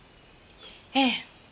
ええ。